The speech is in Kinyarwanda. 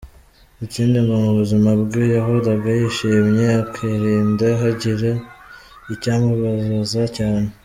Ikindi ngo mu buzima bwe yahoraga yishimye, akirinda hagira icyamubabaza cyane.